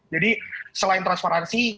jadi selain transferannya